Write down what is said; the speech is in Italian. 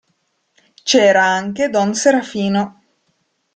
C'era anche don Serafino.